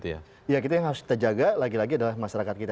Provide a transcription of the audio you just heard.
ya kita yang harus kita jaga lagi lagi adalah masyarakat kita